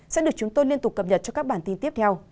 sẽ được chúng tôi liên tục cập nhật cho các bản tin tiếp theo